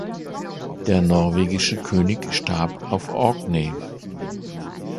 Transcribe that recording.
Der norwegische König starb auf Orkney.